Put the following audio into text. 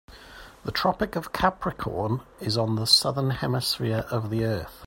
The Tropic of Capricorn is on the Southern Hemisphere of the earth.